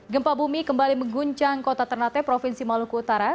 gempa bumi kembali mengguncang kota ternate provinsi maluku utara